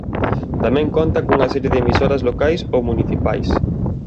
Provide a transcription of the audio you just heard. Tamén conta cunha serie de emisoras locais ou municipais.